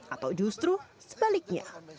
atau justru sebaliknya